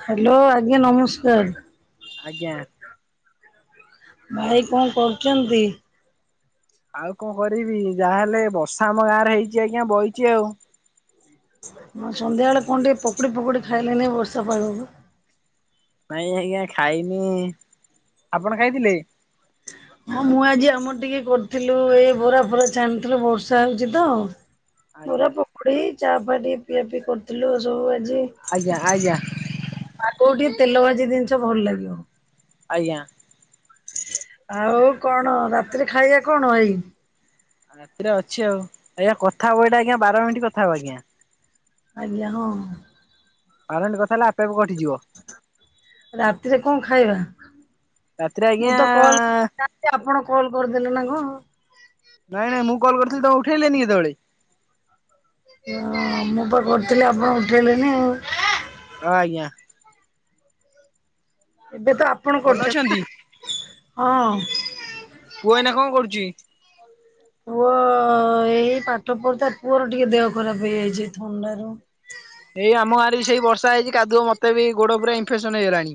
Hello ଆଜ୍ଞା ନମସ୍କାର। ଆଜ୍ଞା। ଭାଇ କଣ କରୁଛନ୍ତି? ଆଉ କଣ କରିବି ଯାହାହେଲେ ବର୍ଷା ଆମ ଗାଁ ରେ ହେଇଛି ଆଜ୍ଞା ବଇଛି ଆଉ। ହଁ ସନ୍ଧ୍ୟାବେଳେ କଣ ଟିକେ ପକୁଡି ଫକୁଡି ଖାଇଲେନି ଏଇ ବର୍ଷା ପାଗକୁ। ନାଇଁ ଆଜ୍ଞା ଖାଇନି ଆପଣ ଖାଇଥିଲେ? ହଁ ମୁଁ ଆଜି ଆମର ଟିକେ କରିଥିଲୁ ଏ ବରା ଫରା ଛାଣିଥିଲୁ ବର୍ଷା ହେଉଛି ତ। ଆଜ୍ଞା ପୁର ପକୁଡି ଚା ଫା ଟିକେ ପିଆ ପିଇ କରିୁଥିଲୁ ସବୁ ଆଜି। ଆଜ୍ଞା ଆଜ୍ଞା। ଆଗକୁ ଟିକେ ତେଲ ଭାଜି ଜିନିଷ ଭଲ ଲାଗିବ। ଆଜ୍ଞା। ଆଉ କଣ ରାତିରେ ଖାଇବା କଣ ଭାଇ? ରାତିରେ ଅଛି ଆଉ ଆଜ୍ଞା କଥା ହବ ଏଇଟା ଆଜ୍ଞା ବାର ମିନିଟ କଥା ହବ ଆଜ୍ଞା। ଆଜ୍ଞା ହଁ। ବାର ମିନିଟ୍ କଥା ହେଲା ଆପେ ଆପେ କଟିଯିବ। ରାତିରେ କଣ ଖାଇବା ରାତିରେ ଆଜ୍ଞା ମୁଁ ତ କଲ। ଆପଣ କଲ୍ କରିଦେଲେ ନା କଣ। ନାଇଁ ନାଇଁ ମୁଁ କଲ କରିଥିଲି ତମେ ଉଠେଇଲେନି କେତେବେଳେ। ହଁ ମୁଁ ପା କରିଥିଲି ଆପଣ ଉଠେଇଲେନି ଆଉ। ହଁ ଆଜ୍ଞା। ଏବେ ତ ଆଜ୍ଞା ଆପଣ ଭଲ କରୁଛନ୍ତି ଅଛନ୍ତି ନା ହଁ। ପୁଅ ଏଇନା କଣ କରୁଛି। ପୁଅ ଏଇ ପାଠ ପଢୁ ତା ପୁଅର ଟିକେ ଦେହ ଖରାପ ହେଇଯାଇଛି ଥଣ୍ଡରୁ। ଏଇ ଆମ ଆରେ ସେଇ ବର୍ଷା ହେଇଛି କାଦୁଅ ମୋତେ ବି ଗୋଡ ପୁରା ଇନଫେକ୍ସନ ହେଇଗଲାଣି।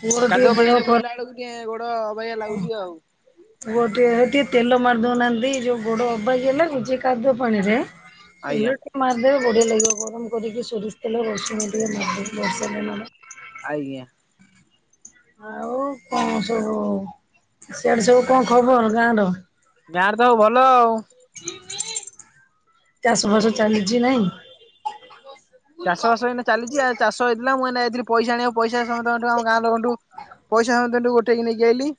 ପୁଅର ଟିକେ କାଦୁଅ ଦେହ ପାଣିରେ ଖରାପ ବୁଲିଲା ବେଳକୁ ଟିକେ ଗୋଡ ଅବାଗିଆ ଲାଗୁଛି ଆଉ। [inaudible] ଗୋଟେ ଏ ଟି ତେଲ ମାରି ଦଉନାହାନ୍ତି ଯଉ ଗୋଡ଼ ଅବାଗିଆ ଲାଗୁଛି କାଦୁଅ ପାଣିରେ। ଆଜ୍ଞା ତେଲ ଟିକେ ମାରିଦେବେ ବଢିଆ ଲାଗିବ, ଗରମ କରିକି ସୋରିଷ ତେଲ ରସୁଣ ଟିକେ ମାରି, ବର୍ଷା ଆଜ୍ଞା। ଆଉ କଣ ସବୁ, ସେଆଡେ ସବୁ କଣ ଖବର ଗାଁ ର? ଗାଁ ତ ଆଉ ଭଲ ଆଉ। ଚାଷବାସ ଚାଲି ଚି ନାଇଁ। ଚାଷ ବାସ ଏଇନା ଚାଲିଛି। ଆଉ ଚାଷ ହେଇଥିଲା ମୁ ଏଇନେ ଆଇଥିଲି ପଇସା ଆଣିବାକୁ ପଇସା ସମସ୍ତଙ୍କଠୁ ଆମ ଗାଁ ଲୋକ ଠୁଁ ପଇସା ସମସ୍ତଙ୍କଠୁ ଗୋଟେଇକି ନେଇକି ଆଇଲି।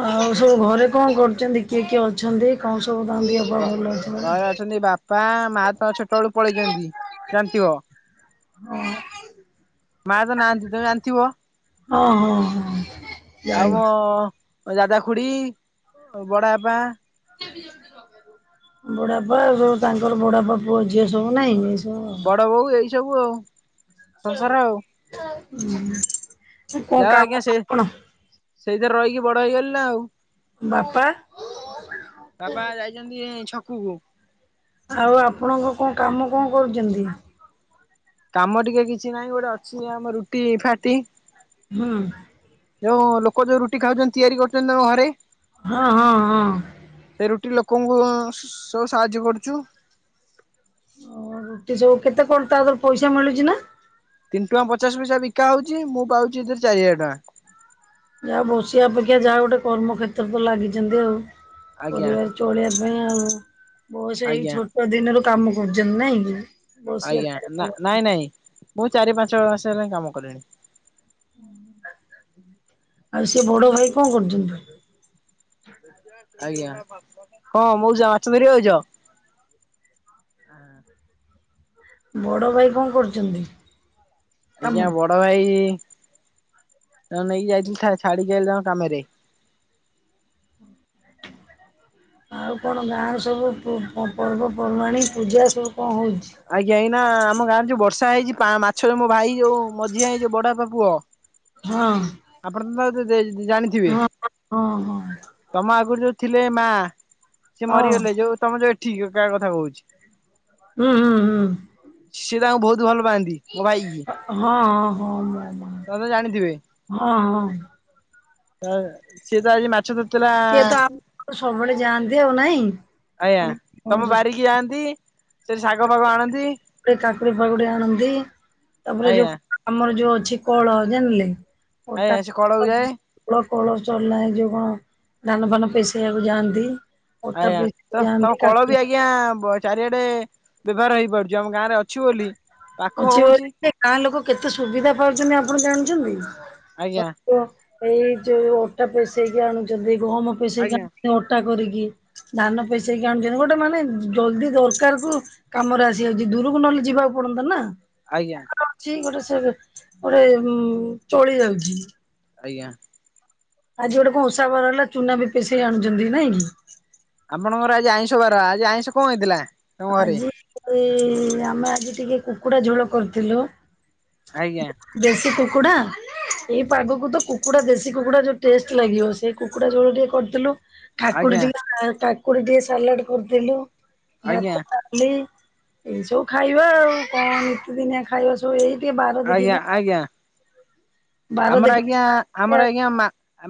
ଆଉ ସବୁ ଘରେ କଣ କରୁଛନ୍ତି? କିଏ କିଏ ଅଛନ୍ତି? କଣ ସବୁ [unintelligible] ଘ ଅଛି ନା? ଘରେ ଅଛନ୍ତି ବାପା, ମା ତ ଛୋଟବେଳୁ ପଳେଇଛନ୍ତି ଜାଣିଥିବ। ହଁ। ମା ତ ନାହାନ୍ତି ତମେ ଜାଣିଥିବ? ହଁ ହଁ ହଁ। ଆଉ ଜାଣିଛି। ମୋ ଦାଦା ଖୁଡି ବଡ ବାପା ବଡାପା ଆଉ ସବୁ ତାଙ୍କର ବଡାପା ପୁଅ ଝିଅ ସବୁ ନାହିଁ। ବଡ ବୋଉ ଏଇ ସବୁ ଆଉ। ସଂସାର ଆଉ କଣ ଯାହା ଆଜ୍ଞା କାମ ସେ କଣ? ସେଇଥିରେ ରହିକି ବଡ ହେଇଗଲି ନା ଆଉ। ବାପା। ବାପା ଯାଇଛନ୍ତି ଏ ଛକୁକୁ। ଆଉ ଆପଣଙ୍କ କଣ କାମ କଣ କରୁଛନ୍ତି? କାମ ଟିକେ କିଛି ନାହିଁ, ଗୋଟେ ଅଛି ଆମ ରୁଟି ଫାଟି ହୁଁ। ଯୋଉ ଲୋକ ଯୋଉ ରୁଟି ଖାଉଛନ୍ତି, ତିଆରି କରୁଛନ୍ତି ତମ ଘରେ। ହଁ ହଁ ହଁ। ସେ ରୁଟି ଲୋକଙ୍କୁ ସବୁ ସାହାଯ୍ୟ କରୁଛୁ। ଏ ସବୁ କେତେ କଣ ତାର ପଇସା ମିଳୁଛି ନା? ତିନି ଟଙ୍କା ପଚାଶ ପଇସା ବିକା ହଉଛି। ମୁଁ ପାଉଛି ଏଥିରେ ଚାରି ହଜାର ଟଙ୍କା। ଯାହା ବସିବା ଅପେକ୍ଷା ଯାହା ଗୋଟେ କର୍ମକ୍ଷେତ୍ର ତ ଲାଗିଛନ୍ତି ଆଉ ଟଙ୍କା ଆଜ୍ଞା କରିବା ଚଳେଇିବା ପାଇଁ ଆଉ ବୟସ ଏଇ ଆଜ୍ଞା ଛୋଟ ଦିନରୁ କାମ କରୁଛନ୍ତି ନାଇଁ କି? ବସିବା ଆଜ୍ଞା ନା ନାଇଁ ନାଇଁ ମୁଁ ଚାରି ପାଞ୍ଚ ମାସ ହେଲାଣି କାମ କଲିଣିନି। ଆଉ ସେ ବଡ ଭାଇ କଣ କରୁଛନ୍ତି? ଆଜ୍ଞା କଣ ମଉସା ମାଛ ଧରିବାକୁ ଆଇଛ। ବଡ ଭାଇ କଣ କରୁଛନ୍ତି? କାମ ଆଜ୍ଞା ବଡ ଭାଇ ନେଇକି ଯାଇଥିଲି ଛାଡିକି ଆଇଲି ତାଙ୍କ କାମ ରେ। ଆଉ କ ଣ ଗାଁରେ ସବୁ ପର୍ବପର୍ବାଣିୀ ପୂଜା ସବୁ କଣ ହେଉଛି? ଆଜ୍ଞା ଏଇନା ଆମ ଗାଁରେ ଯୋଉ ବର୍ଷା ହେଇଚି ପା ମାଛରେ ମୋ ଭାଇ ଯୋଉ ମଝିଆ ହେଇ ଯୋଉ ବଡ ବାପା ପୁଅ ହଁ। ଆପଣ ତ ତ ଜାଣିଥିବେ? ହଁ ହଁ ହଁ ତମ ଆଗରୁ ଯୋଉ ଥିଲେ ମା ସେ ହଁ ମରିଗଲେ ଯୋଉ ତମ ଯୋଉ ଏଠିକା ତା କଥା କହୁଛି। ହୁଁ ହୁଁ ହୁଁ। ସିଏ ତାଙ୍କୁ ବହୁତ ଭଲ ପାଆନ୍ତି। ମୋ ଭାଇ ହଁ କି ହଁ ହଁ ମୋ ତମେ ତ ମା ଜାଣିଥିବେ। ହଁ ହିଁ। ସିଏ ତ ଆଜି ମାଛ ତ କିଏ ତ ଆମ ସବୁବେଳେ ଯାଆନ୍ତି ଆଉ ନାଇଁ? ଆଜ୍ଞା ତମ ବାରିକି ଯାଆନ୍ତି ସେଠି ଶାଗ ଫାଗ ଆଣନ୍ତି। କାକୁଡି ଫାକୁଡି ଆଣନ୍ତି ତାପରେ ଯୋଉ ଆଜ୍ଞା ଆମର ଯୋଉ ଅଛି କଳ ଜାଣିଲେ ଅ ଟା ଆଜ୍ଞା ସେ କଳକୁ ଯାଏ କଳ ଚଲାଏ ଯୋଉ କଣ ଧାନ ଫାନ ପଶେଇବାକୁ ଯାଆନ୍ତି। ଓଟା ଆଜ୍ଞା ପେଶିବାକୁ ତ ଯାଆନ୍ତି ତମ କଳ କାକୁଡି ବି ଆଇ ଆଜ୍ଞା ଚାରିଆଡେ ବ୍ୟବହାର ହେଇପାରୁଛି ଆମ ଗାଁ ରେ ଅଛୁ ବୋଲି ପାଖ ଅଛି ହଉଛି। ବୋଲି ଗାଁ ଲୋକ କେତେ ସୁବିଧା ପାଉଛନ୍ତି ଆପଣ ଜାଣିଛନ୍ତି? ଆଜ୍ଞା ଏଇ ଯୋଉ ଅଟା ପଷେଇକି ଆଣୁଛନ୍ତି ଗହମ ପଷେଇକି ଆଜ୍ଞା ଆଣୁଛନ୍ତି ଅଟା କରିକି ଧାନ ପେସେଇକି ଆଣୁଛନ୍ତି ଗୋଟେ ମାନେ ଜଲଦି ଦରକାର କୁ କାମରେ ଆସିଯାଉଛି ଦୂରକୁ ନହଲେ ଯିବାକୁ ପଡନ୍ତା ନା ଆଜ୍ଞା। ପାଖରେ ଗୋଟେ ଅଛି ସେ ଗୋଟେ ଚଳି ଯାଉଛି। ଆଜ୍ଞା। ଆଜି କଣ ଗୋଟେ ଓସା ବାର ହେଲା ଚୁନା ବି ପେସେଇ ଆଣୁଛନ୍ତି ନାଇଁ କି ଆପଣଙ୍କର ଆଜି ଆଇଁଷ ବାର ଆଜି ଆଇଁଷ କଣ ହେଇଥିଲା? ତମ ଘରେ ଆଜି ଆମେ ଆଜି ଟିକେ କୁକୁଡ଼ା ଝୋଳ କରିଥିଲୁ। ଆଜ୍ଞା। ଦେଶୀ କୁକୁଡ଼ା? ଏଇ ପାଗକୁ ତ କୁକୁଡା ଦେଶୀ କୁକୁଡା ଯୋଉ ଟେଷ୍ଟ ଲାଗିବ ସେ କୁକୁଡା ଯୋଳ ଟିକେ କରିଥିଲୁ। କାକୁଡି ଆଜ୍ଞା ଟିକେ କାକୁଡି ଟିକେ ସାଲଟ କରିଦେଲୁ ଭାତ ଆଜ୍ଞା। ଡାଲି ଏଇ ସବୁ ଖାଇବା ଆଉ କଣ ନିତିଦିନିଆ ଖାଇବା ଜଉ ଏଇି ଟିକେ ବାର ଆଜ୍ଞା ଦେଖିକି ଆ ଆଜ୍ଞା ଆମର ଦେଖିକି ଆଜ୍ଞା ଆମର ଆଜ୍ଞା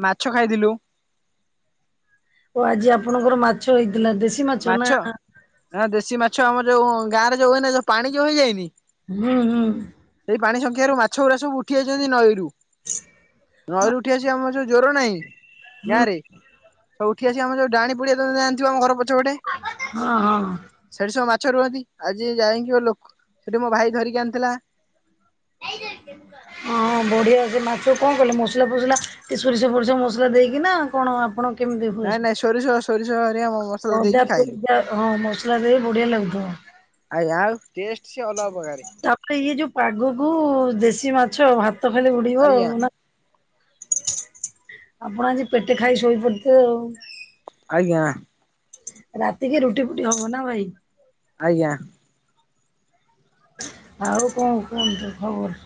ମାଛ ଖାଇଥିଲୁ ଓ ଆଜି ଆପଣଙ୍କର ମାଛ ହେଇଥିଲା ଦେଶି ମାଛ ନା ଦେଶୀ ମାଛ ଆମର ଯୋଉ ଗାଁ ରେ ଯୋଉ ହୁଏ ନା ଯୋଉ ପାଣି ହେଇ ଯୋଉ ହେଇଯାଇନି ହୁଁ ହୁଁ। ସେଇ ପାଣି ସଂଖ୍ୟରୁ ମାଛ ଗୁଡା ସବୁ ଉଠି ଯାଇଛନ୍ତି ନଈରୁ [inaudible] ନଈରୁ ଉଠି ଆସିିବ ଆମର ସବୁ ଯୋଉ ଜ୍ଵର ନାହିଁ ଗାଁରେ ସବୁ ଉଠି ଆସି ଯୋଉ ଡାହାଣୀ ପଡ଼ିଆ ଯୋଉ ଆମ ଘର ପଛପଟେ ହଁ ହଁ। ସେଠି ସବୁ ମାଛ ରୁହନ୍ତି। ଆଜି ଯାଇକି ଗୋଟେ ଲୋକ ସେଠି ମୋ ଭାଇ ଧରିକି ଆଣିଥିଲା। [unintelligible] ହଁଁ ବଢିଆ ସେ ମାଛ କଣ କଲେ ମସଲା ଫସଲା ଟିକେ ସୋରିଷ ଫୋରିଷ ମସଲା ଦେଇକି ନା କଣ ଆପଣ କେମିତି ହୁଏ? ନାଇଁ ନାଇଁ ସୋରିଷ ସୋରିଷ ହେରିକା ମସଲା ଦେଇକି ଅଦା ଖାଇଲି ଫଦା ହଁ ମସଲା ଦେଇ ବଢିଆ ଲାଗୁଥିବ। ଆଉ ଆଉ ଟେଷ୍ଟ ସେ ଅଲଗା ପ୍ରକାର। ତାପରେ ଇଏ ଯୋଉ ପାଗକୁ ଦେଶୀ ମାଛ ଭାତ ଖାଲି ଉଡ଼ିବ ଆଉ ଆଜ୍ଞା ନା ଆପଣ ଆଜି ପେଟେ ଖାଇକି ଶୋଇପଡ଼ିଥିବେ ଆଉ। ଆଜ୍ଞା। ରାତିକି ରୁଟି ଫୁଟି ହବ ନା ଭାଇ? ଆଜ୍ଞା। ଆଉ କଣ କୁହନ୍ତୁ ଖବର?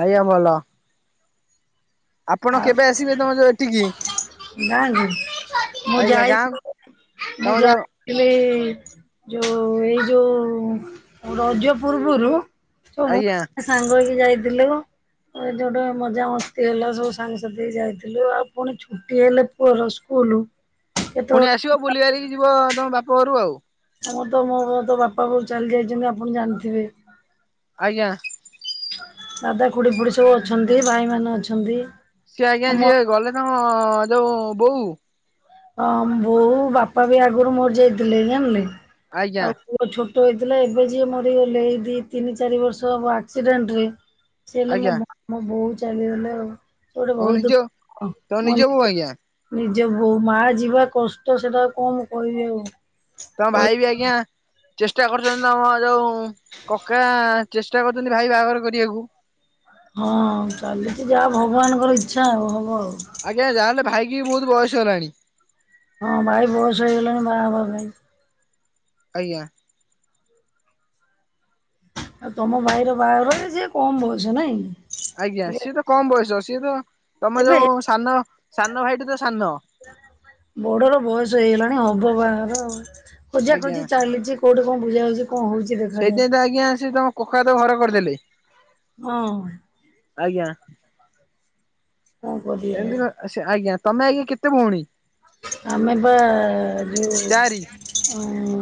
ଆଇ ଆମଲ ଆପଣ କେବେ ଆସିବେ ତମ ଯୋଉ ଏଠିକି? ଗାଁ କୁ ନା ମୁଁ ଆଜ୍ଞା ଯାଇ ଗାଁ ମୁଁ ତମ ଯା ଯୋଉ ହେଲେ ଯୋଉ ଏଇ ଯୋଉ ରଜ ପୂର୍ବରୁ ସବୁ ଆଜ୍ଞା ସାଙ୍ଗ ହେଇକି ଯାଇଥିଲୁ ଯୋଉଠୁ ମଜା ମସ୍ତି ହେଲା ସବୁ ସାଙ୍ଗ ସାଥୀ ହେଇକି ଯାଇଥିଲୁ ଆଉ ପୁଣି ଛୁଟି ହେଲେ ପୁଅର ସ୍କୁଲ ପୁଣି କେତେବେଳେ ଆସିବ ବୁଲିି ବାଲିକି ଯିବ ତମ ବାପ ଘରୁ ଆଉ। ହଁ ତ ମୋ ତ ବାପା ବୋଉ ଚାଲି ଯାଇଛନ୍ତି ଆପଣ ଜାଣିଥିବେ। ଆଜ୍ଞା। ଦାଦା ଖୁଡି ଫୁଡି ସବୁ ଅଛନ୍ତି ଭାଇମାନେ ଅଛନ୍ତି। ସିଏ ଆଜ୍ଞା ଆମ ଯିଏ ଗଲେ ତମ ଯୋଉ ବୋଉ? ହଁ ବୋଉ ବାପା ବି ଆଗରୁ ମରି ଯାଇଥିଲେ ଜାଣିଲେ। ଆଜ୍ଞା ଆଉ ପୁଅ ଛୋଟ ହେଇଥିଲା ଏବେ ଯିଏ ମରିଗଲେ ଏଇ ଦି ତିନି ଚାରି ବର୍ଷ ହବ ଆକ୍ସିଡେଣ୍ଟ ରେ ସେ ହେଲେ ମୋ ଆଜ୍ଞା ମୋ ବୋଉ ଚାଲିଗଲେ ଆଉ ସେ ଗୋଟେ ତମ ବହୁତ ନିଜ ଦୁଃଖ ତମ ନିଜ ମନ ବୋଉ ଆଜ୍ଞା ଭିତରେ। ନିଜ ବୋଉ ମା ଯିବା କଷ୍ଟ ସେଟା ଆଉ କଣ କହିବି ଆଉ। ତମ ଭାଇ ବି ଆଜ୍ଞା ଚେଷ୍ଟା କରୁଛନ୍ତି ତମ ଯୋଉ କକା ଚେଷ୍ଟା କରୁ କେମିତି ଭାଇ ବାହାଘର କରିବାକୁ। ହଁ ଚାଲିଛି ଯାହା ଭଗବାନଙ୍କର ଇଚ୍ଛା ଆଉ ହବ ଆଉ। ଆଜ୍ଞା ଯାହା ହେଲେ ଭାଇକି ବି ବହୁତ ବୟସ ହେଲାଣି। ହଁ ଭାଇ ବୟସ ହେଇଗଲାଣି ବାହାହବା ପାଇଁ। ଆଜ୍ଞା। ଆଉ ତମ ଭାଇର ବାହାଘର ସିଏ କମ ବୟସ ନାଇଁ? ଆଜ୍ଞା ସିଏ ତ କମ ବୟସ ସିଏ ତ ତମ ଏବେ ଯୋଉ ସାନ ସାନ ଭାଇଠୁ ତ ସାନ। ବଡ ର ବୟସ ହେଇଗଲାଣି ହବ ବାହାଘର ଖୋଜା ଆଜ୍ଞା ଖୋଜି ଚାଲିଛି କୋଉଠି କଣ ବୁଝା ବୁଝି କଣ ହଉଛି ଦେଖାଯାଉ ସେଇଥିପାଇଁ ତ ଆଜ୍ଞା ସେ ତମ କକା ତ ଘର କରିଦେଲେ। ହଁ। ଆଜ୍ଞା। କଣ କରିବା ଆଉ। ଆଚ୍ଛା ଆଜ୍ଞା ତମେ ଆଜ୍ଞା କେତେ ଭଉଣୀ? ଆମେ ବା ଯୋଉ ଚାରି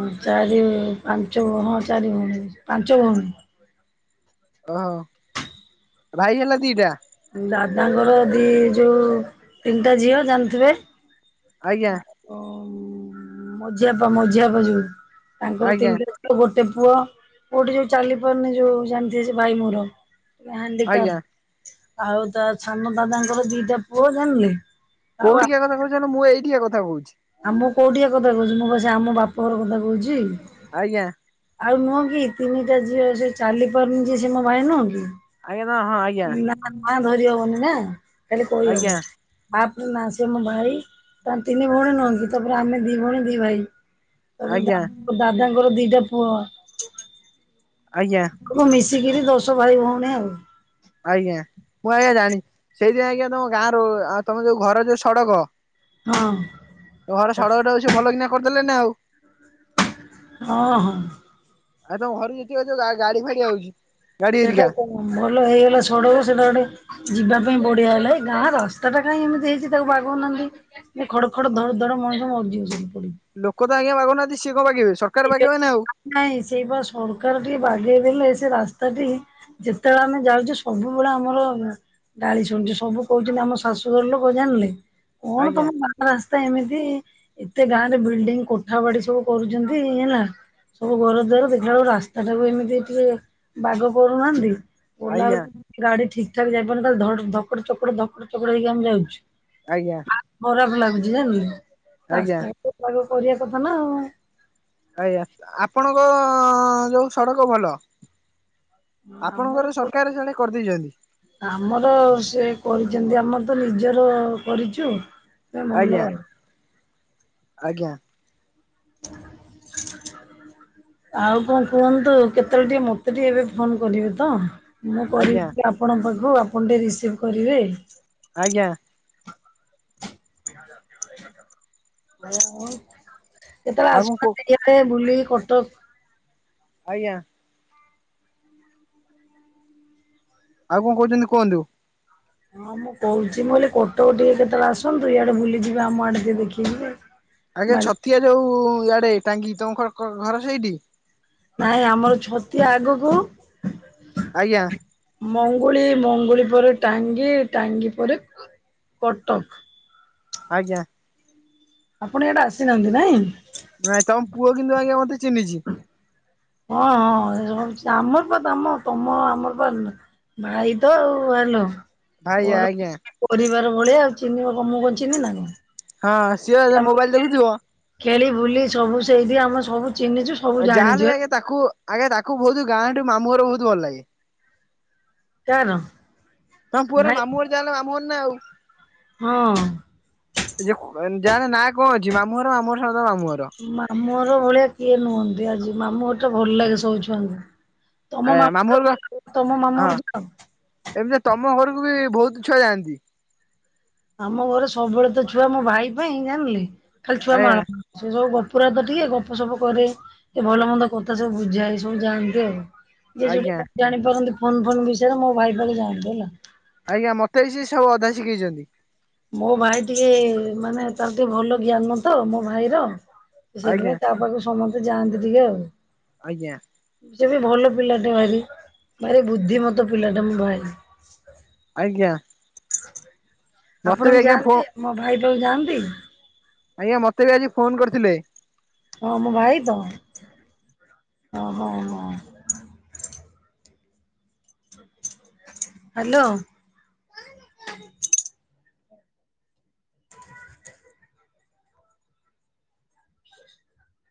ଓ ଚାରି ପାଞ୍ଚ ହଁ ଚାରି ଭଉଣୀ ପାଞ୍ଚ ଭଉଣୀ। ଓହୋ ଭାଇ ହେଲା ଦିଟା। ଦାଦାଙ୍କର ଦି ଯୋଉ ତିନିଟା ଝିଅ ଜାଣିଥିବେ। ଆଜ୍ଞା। ଓ ମଝିଆପା ମଝିଆପା ଯୋଉ ତାଙ୍କର ଆଜ୍ଞା ତିନିଟା ଗୋଟେ ପୁଅ ପୁଅଟି ଯୋଉ ଚାଲି ପାରୁନି ଯୋଉ ଜାଣିଥିବେ ସେ ଭାଇ ମୋର ଇଏ ଆଜ୍ଞା। ହ୍ୟାଣ୍ଡିକାପ୍ଟ ଆଉ ତା ସାନ ଦାଦାଙ୍କର ଦିଟା ପୁଅ ଜାଣିଲେ। ଆଉ କୋଉଠିକା କଥା କହୁଛ କହିଲ ମୁଁ ଏଇଠିକା କଥା କହୁଛି। ଆଉ ମୁଁ କୋଉଠିଆ କଥା କହୁଛି ମୁଁ ବା ସେ ଆମ ବାପଘର କଥା କହୁଛି। ଆଜ୍ଞା। ଆଉ ନୁହଁ କି ତିନିଟା ଝିଅ ସେ ଚାଲି ପାରୁନି ଯେ ସେ ମୋ ଭାଇ ନୁହଁ କି ଆଜ୍ଞା ତ ହଁ ଆଜ୍ଞା। ତା ନାଁ ଧରି ହବନି ନା ଖାଲି କହିହବ ଆଜ୍ଞା [unintelligible] ତାପରେ ନା ସେ ମୋ ଭାଇ ତାର ତିନି ଭଉଣୀ ନୁହନ୍ତି ତାପରେ ଆମେ ଦି ଭଉଣୀ ଦି ଭାଇ ତାପରେ ଆଜ୍ଞା ଦା ଦାଦାଙ୍କର ଦିଟା ପୁଅ ଆଜ୍ଞା। ମିଶିକିରି ଦଶ ଭାଇ ଭଉଣୀ ଆଉ ଆଜ୍ଞା ମୁଁ ଆଜ୍ଞା ଜାଣିଛି ସେଇଥିପାଇଁ ଆଜ୍ଞା ତମ ଗାଁ ରୁ ଆଉ ତମ ଯୋଉ ଘର ଯୋଉ ସଡକ ହଁ ଘର ସଡ଼କଟାକୁ ସେ ଭଲକିନା କରିଦେଲେ ନା ଆଉ ହଁ ହଁ। ଆଉ ତମ ଘରକୁ ଯେତିକ ଯୋଉ ଗା ଗାଡିଫାଡି ଆଉଛି ଗାଡି ସେଟା ହେରିକା କଣ ଭଲ ହେଇଗଲା ସଡକ ସେଟା ଗୋଟେ ଯିବା ପାଇଁ ବଢିଆ ହେଲା ଏଇ ଗାଁ ରାସ୍ତା ଟା କାହିଁ ଏମିତି ହେଇଛି ତାକୁ ବାଗଉ ନାହାନ୍ତି ଖଡ ଖଡ ଧଡ ଧଡ ମଣିଷ ମରିଯିବ ସେଠି ପଡିକି ଲୋକ ତ ଆଜ୍ଞା ବାଗଉ ନାହାନ୍ତି ସିଏ କଣ ବାଗେଇବେ ଏ ସରକାର ବାଗେଇବା ନା ଆଉ ଯୋଉ ନାଇଁ ସେଇପା ସରକାର ଟିକେ ବାଗେଇ ଦେଲେ ସେ ରାସ୍ତାଟି ଯେତେବେଳେ ଆମେ ଯାଉଛେ ସବୁବେଳେ ଆମର ଗାଳି ଶୁଣୁଛେ ସବୁ କହୁଛନ୍ତି ଆମ ଶାଶୁଘର ଲୋକ ଜାଣିଲେ କଣ ଆଜ୍ଞା ତମ ଗାଁ ରାସ୍ତା ଏମିତି ଏତେ ଗାଁ ରେ ବିଲ୍ଡିଙ୍ଗ କୋଠା ବାଡି ସବୁ କରୁଛନ୍ତି [unintelligible] ହେଲା ସବୁ ଘର ଦ୍ୱାର ଦେଖିଲା ବେଳ ରାସ୍ତା ଟାକୁ ଏମିତି ଟିକେ ବାଗ କରୁନାହାନ୍ତି ଓଲା ଆଜ୍ଞା ବେଳକୁ ଗାଡି ଠିକ୍ ଠାକ ଯାଇପାରୁନି ତା ଧକଡ ଚକଡ ଧକଡ ଚକଡ ହେଇକି ଆମେ ଯାଉୁଛୁ। ଆଜ୍ଞା। ଖରାପ ଲାଗୁଛି ଜାଣିଲୁ ଆଜ୍ଞା ରାସ୍ତା [unintelligible] କରିବା କଥା ନା ଆଜ୍ଞା ଆପଣଙ୍କ ଯୋଉ ସଡ଼କ ଭଲ ଆମର ଆପଣଙ୍କର ପୁରା ସରକାର ସେଆଡେ କରିଦେଇଛନ୍ତି। ଆମର ସେ କରିଛନ୍ତି ଆମର ତ ନିଜର କରିଛୁ। ସେ ଭଲ ଆଜ୍ଞା ଆଜ୍ଞା। [inaudible] ଆଉ କଣ କୁହନ୍ତୁ କେତେବେଳେ ଟିକେ ମତେ ଟିକେ ଏବେ ଫୋନ କରିବେ ତ ମୁଁ ଆଜ୍ଞା କରିବି ଆପଣଙ୍କ ପାଖକୁ ଆପଣ ଟିକେ ରିସିଭ କରିବେ ଆଜ୍ଞା। କେତେବେଳେ ଆଉ କଣ କ ଆସୁନାହାଁନ୍ତି ଟିକେ [unintelligible] ତେ ବୁଲି କଟକ ଆଜ୍ଞା। ଆଉ କଣ କହୁଛନ୍ତି କୁହନ୍ତୁ? ହଁ ମୁଁ କହୁଛି ମୁଁ କହିଲି କଟକ ଟିକେ କେତେବେଳେ ଆସନ୍ତୁ ଇଆଡେ ବୁଲିଯିବେ ଆମ ଆଡେ ଟିକେ ଦେଖିଯିବେ [inaudible] ଆଜ୍ଞା ଛତିଆ ଯୋଉ ଇଆଡେ ଟାଙ୍ଗି ତମର ଘର ସେଇଠି ନାଇଁ ଆମର ଛତିଆ ଆଗକୁ ଆଜ୍ଞା। ମଙ୍ଗୁଳି ମଙ୍ଗୁଳି ପରେ ଟାଙ୍ଗି ଟାଙ୍ଗି ପରେ କଟକ ଆଜ୍ଞା। ଆପଣ ଏଇଟା ଆସିନାହାନ୍ତି ନାଇଁ ନାଇଁ ପୁଅ କିନ୍ତୁ ଆଜ୍ଞା ମତେ ଚିନ୍ହିଛି। ହଁ ହଁ ସେ! ! ! ! ! ! ! ! ! ! ଆମର ବା ତମ ତମ ଆମର ପା ଭାଇ ତଉ ଆଲୋ ଭାଇ ଆଜ୍ଞା। ପରିବାର ଭଳିଆ ଆଉ ଚିହ୍ନିବ କ ମୁ କଣ ଚିହ୍ନି ନା କଣ? ହଁ ସିଏ ଆମେ ମୋବାଇଲ ଦେଖୁଥିବ। ଖେଳି ବୁଲି ସବୁ ସେଇଠି ଆମ ସବୁ ଚିହ୍ନିଛୁ। ସବୁ ଜାଣିଛୁ ହେ ଆ ଯାହା ହ ପୁଅର ମାମୁଁର ଯାହାଲେ କାର ମାମୁଁ ଭାଇ ଘର ନା ଆଉ। ହଁ। ଯାହାର ନାଁ କଣ ଅଛି ମାମୁଁ ଘର ମାମୁ ସହିତ ମାମୁଁ ଘର। ମାମୁଁଘର ଭଳିଆ କିଏ ନୁହନ୍ତି ଆଜି ମାମୁଁ ଘର ଟା ଭଲ ଲାଗେ ସବୁ ଛୁଆଙ୍କୁ। ତମ ଆଜ୍ଞା ଘର ମାମୁଁ ତମ ମାମୁଁ ଯାଅ? ଏମିତିରେ ତମ ଘରକୁ ବି ବହୁତ ଛୁଆ ଯାଆନ୍ତି। ଆମ ଘରେ ସବୁବେଳେ ତ ଛୁଆ ମୋ ଭାଇ ପାଇଁ ଜାଣିଲି ଖାଲି ଛୁଆ ଆଜ୍ଞା ମାଳ। ସେ ସବୁ ଗପୁରାତ ଟିକେ ଗପ ସପ କରେ। ଏ ଭଲ ମନ୍ଦ କଥା ସବୁ ବୁଝାଏ ସବୁ ଯାଆନ୍ତି ଆଉ। ଯିଏ ଆଜ୍ଞା ଯୋଉଠି ଜାଣି ପାରନ୍ତି ଫୋନ ଫୋନ୍ ବିଷୟରେ ମୋ ଭାଇ ଭା ଜାଣି ହେଲା। ଆଜ୍ଞା ମତେ ବି ସିଏ ସବୁ ଅଧା ଶିଖେଇଛନ୍ତି। ମୋ ଭାଇ ଟିକେ ମାନେ ତାର ଟିକେ ଭଲ ଜ୍ଞାନ ତ ମୋ ଭାଇ ର ଆଜ୍ଞା ସେଇଥିପାଇଁ ତା ପାଖକୁ ସମସ୍ତେ ଯାଆନ୍ତି ଟିକେ ଆଉ। ଆଜ୍ଞା। ସେ ବି ଭଲ ପିଲାଟା ଭାରି ଭାରି ବୁଦ୍ଧିମତ ପିଲାଟା ମୋ ଭାଇ। ଆଜ୍ଞା। ମତେ ଆପଣ ବି ଆଜ୍ଞା ଫୋ ଯାଆନ୍ତି ମୋ ଭାଇ ପାଖକୁ ଯାଆନ୍ତି? ଆଜ୍ଞା ମତେ ବି ଆଜି ଫୋନ କରିଥିଲେ। ହଁ ମୋ ଭାଇ ତ ଓ ହଁ, ହଁ। ହ୍ୟାଲୋ